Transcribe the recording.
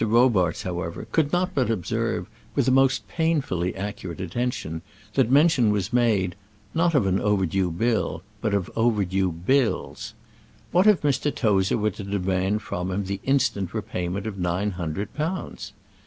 Robarts, however, could not but observe, with a most painfully accurate attention, that mention was made, not of an overdue bill, but of overdue bills. What if Mr. Tozer were to demand from him the instant repayment of nine hundred pounds?